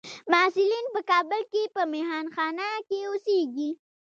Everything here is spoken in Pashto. محصلین په کابل کې په مهانخانه کې اوسیږي.